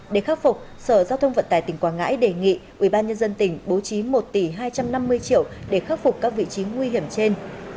để khắc phục sở giao thông vận tải tỉnh quảng ngãi đề nghị ubnd tỉnh bố trí một tỷ hai trăm năm mươi triệu để khắc phục các vị trí nguy hiểm trên